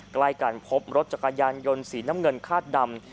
ใกล้กันพบรถจักรยานยนต์สีน้ำเงินคาดดำ